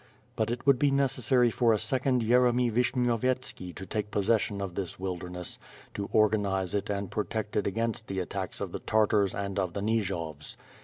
But it would be necessary for a second Yeremy Vishnyovyetski to take possession of this wilderness; to organize it and protect it against the attacks of the Tar tars and of the Nijovs.